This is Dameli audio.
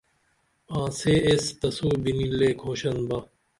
آں سے یس تسو بینی لے کھوشن با